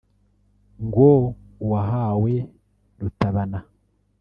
ngo uwahawe Rutabana